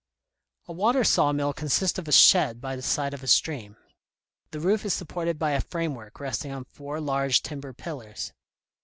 A water saw mill consists of a shed by the side of a stream. The roof is supported by a framework resting on four large timber pillars.